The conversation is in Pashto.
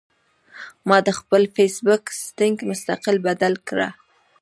ما د خپل فېس بک سېټنګ مستقل بدل کړۀ